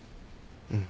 うん。